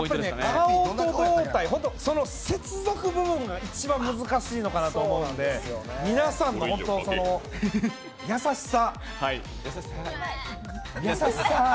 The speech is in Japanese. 顔と胴体、その接続部分が一番難しいかなと思うので皆さんの優しさ。